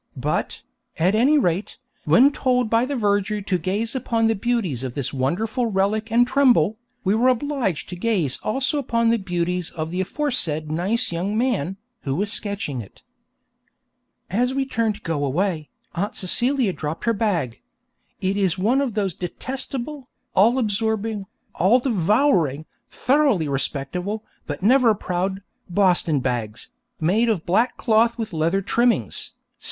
But, at any rate, when told by the verger to gaze upon the beauties of this wonderful relic and tremble, we were obliged to gaze also upon the beauties of the aforesaid nice young man, who was sketching it. As we turned to go away, Aunt Celia dropped her bag. It is one of those detestable, all absorbing, all devouring, thoroughly respectable, but never proud, Boston bags, made of black cloth with leather trimmings, 'C.